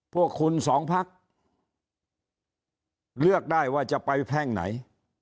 พวกคุณสองพักเลือกได้ว่าจะไปแพร่งไหน